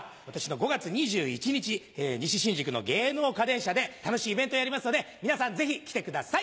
５月２１日西新宿の芸能花伝舎で楽しいイベントをやりますので皆さんぜひ来てください！